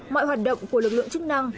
mọi hoạt động của lực lượng chức năng